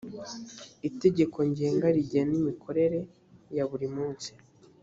itegeko ngenga rigena imikorere ya buri munsi